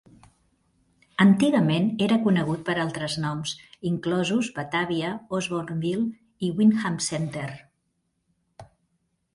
Antigament era conegut per altres noms, inclosos "Batavia", "Osbornville" i "Windham Center".